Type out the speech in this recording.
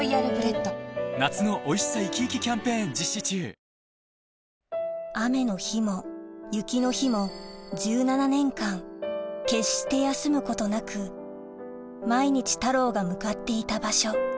それは雨の日も雪の日も１７年間決して休むことなく毎日タローが向かっていた場所